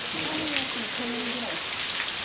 ３億いかないぐらい。